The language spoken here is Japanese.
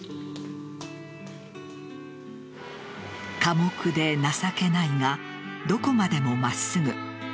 寡黙で情けないがどこまでも真っすぐ。